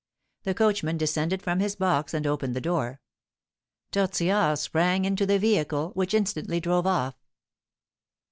The coachman descended from his box, and opened the door; Tortillard sprang into the vehicle, which instantly drove off.